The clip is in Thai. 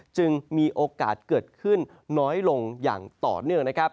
จึงมีโอกาสเกิดขึ้นน้อยลงอย่างต่อเนื่องนะครับ